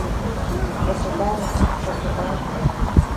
Государем, Государь.